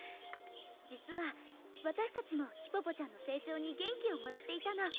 実はわたしたちもヒポポちゃんの成長に元気をもらっていたの。